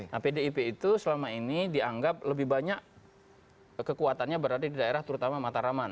nah pdip itu selama ini dianggap lebih banyak kekuatannya berada di daerah terutama mataraman